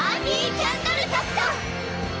キャンドルタクト！